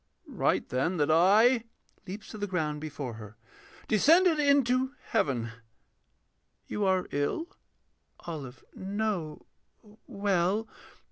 Write, then, that I [Leaps to the ground before her.] Descended into heaven.... You are ill? OLIVE. No, well....